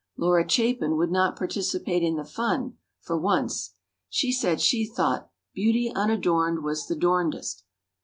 Laura Chapin would not participate in the fun, for once. She said she thought "Beauty unadorned was the dorndest."